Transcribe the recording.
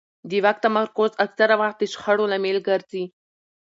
د واک تمرکز اکثره وخت د شخړو لامل ګرځي